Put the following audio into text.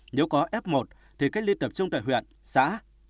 nếu có f một thì cách ly tập trung tại huyện xã